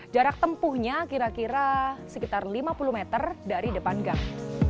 jarak tempuhnya kira kira sekitar lima puluh meter dari depan gang